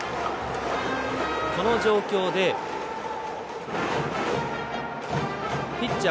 この状況で、ピッチャー